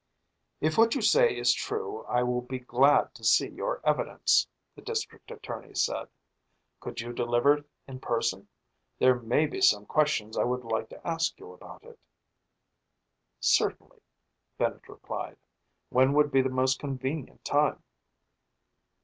"If what you say is true, I will be glad to see your evidence," the district attorney said. "Could you deliver it in person? There may be some questions I would like to ask you about it." "Certainly," Bennett replied. "When would be the most convenient time?"